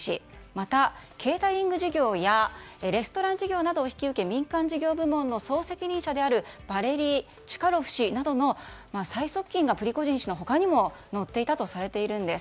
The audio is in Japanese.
またケータリング事業やレストラン事業などを引き受け民間事業部門の総責任者であるバレリー・チュカロフ氏などの最側近がプリゴジン氏の他にも乗っていたとされています。